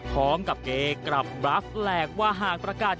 พร้อมกับเกย์กลับบราฟแหลกว่าหากประกาศ